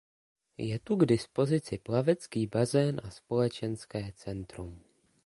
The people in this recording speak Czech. Je tu k dispozici plavecký bazén a společenské centrum.